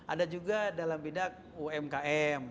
ada juga dalam bidang umkm